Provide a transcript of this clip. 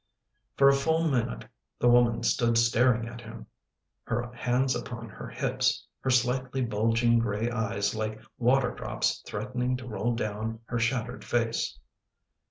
For a. full minute the woman stood staring at him, her hands upon her hips, her slightly bulging gray eyes like water drops threatening to roll down her shattered face.